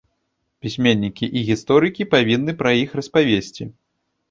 Пісьменнікі і гісторыкі павінны пра іх распавесці.